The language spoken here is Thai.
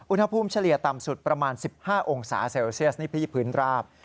เฉลี่ยต่ำสุดประมาณ๑๕องศาเซลเซียสนี่พี่พื้นราบ